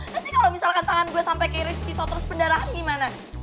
nanti kalo misalkan tangan gue sampe keiris pisau terus pendarahan gimana